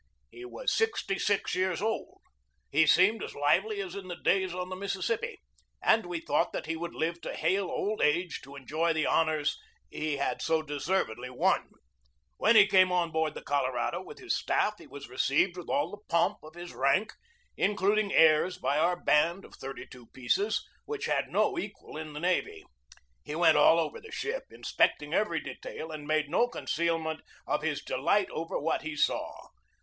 He was sixty six years old. He seemed as lively as in the days on the Mississippi, and we thought that he would live to hale old age to enjoy the honors he had so deservedly won. When he came on board the Colorado with his staff, he was received with all the pomp of his rank, including airs by our band of thirty two pieces, which had no equal in the navy. He went all over the ship, inspecting every detail, and made no concealment of his delight over what he saw.